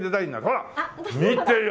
ほら見てよ。